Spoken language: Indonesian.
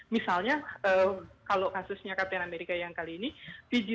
misalnya kalau kasusnya captain america yang kali ini pg tiga belas